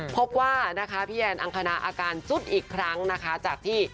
พบว่านะคะพี่แอนอังคณาอาการสุดอีกครั้งนะคะจากที่